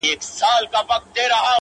پر اوږو د وارثانو جنازه به دي زنګېږي!!